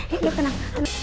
ya tenang tenang